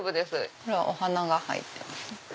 これはお花が入ってます。